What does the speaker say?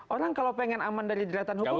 orang kalau pengen aman dari jeratan hukum